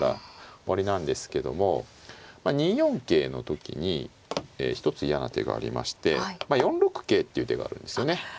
終わりなんですけども２四桂の時に一つ嫌な手がありまして４六桂っていう手があるんですよね。